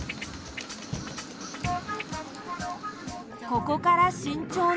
ここから慎重に。